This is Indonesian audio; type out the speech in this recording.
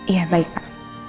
iya baik pak